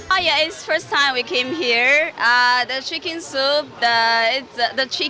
oh iya ini pertama kali kita datang ke sini